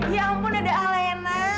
ya ampun ada alayna